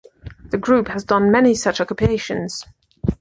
The group has done many such occupations.